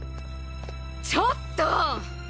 ちょっと！